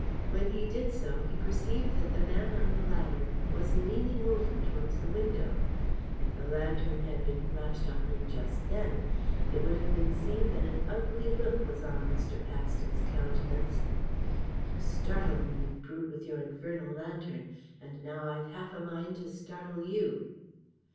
When he did so, he perceived that the man on the ladder was leaning over towards the window. If the lantern had been flashed on him just then, it would have been seen that an ugly look was on Mr. Paxton's countenance. "You startled me, you brute, with your infernal lantern, and now I've half a mind to startle you."